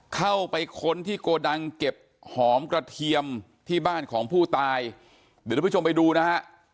ค้นที่โกดังเก็บหอมกระเทียมที่บ้านของผู้ตายเดี๋ยวทุกผู้ชมไปดูนะฮะ